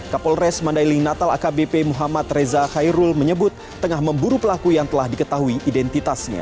kapolres mandailing natal akbp muhammad reza khairul menyebut tengah memburu pelaku yang telah diketahui identitasnya